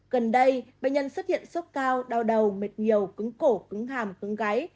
gần đây bệnh nhân xuất hiện sốt cao đau đầu mệt nhiều cứng cổ cứng hàm cứng gáy